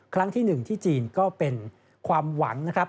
ครั้งที่๑ที่จีนก็เป็นความหวังนะครับ